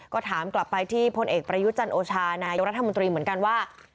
ก็ถามกลับไปที่พลเอกประยุจันโอชานายกรัฐมนตรีเหมือนกันว่า